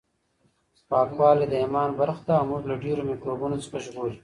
پاکوالی د ایمان برخه ده او موږ له ډېرو میکروبونو څخه ژغوري.